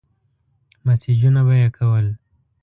مسېجونه به يې کول.